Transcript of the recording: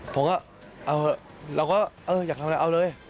ผมก็เอาเถอะเราก็เอออยากทำอะไรเอาเลย